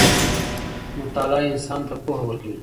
مطالعه انسان ته پوهه ورکوي.